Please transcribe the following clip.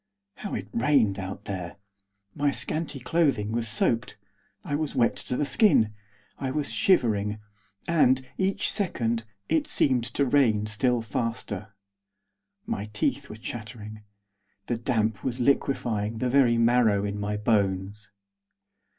How it rained out there! My scanty clothing was soaked; I was wet to the skin! I was shivering. And, each second, it seemed to rain still faster. My teeth were chattering. The damp was liquefying the very marrow in my bones.